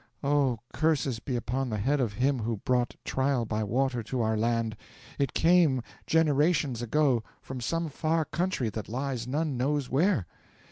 'Oh, curses be upon the head of him who brought "trial by water" to our land! It came, generations ago, from some far country that lies none knows where.